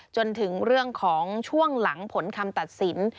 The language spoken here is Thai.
จนถึงเรื่องของช่วงหลังผลคำตัดสิน